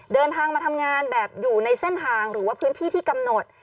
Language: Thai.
เดินทางมาทำงานแบบอยู่ในเส้นทางหรือว่าพื้นที่ที่กำหนด